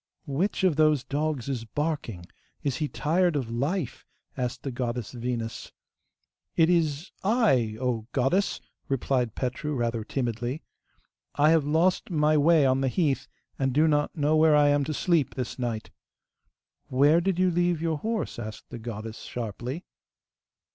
'Which of those dogs is barking? Is he tired of life?' asked the goddess Venus. 'It is I, O goddess!' replied Petru, rather timidly. 'I have lost my way on the heath, and do not know where I am to sleep this night.' 'Where did you leave your horse?' asked the goddess sharply.